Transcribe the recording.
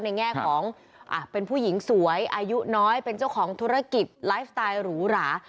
แง่ของเป็นผู้หญิงสวยอายุน้อยเป็นเจ้าของธุรกิจไลฟ์สไตล์หรูหรา